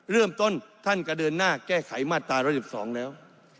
เริ่มต้นท่านก็เดินหน้าแก้ไขมาตรา๑๑๒แล้ว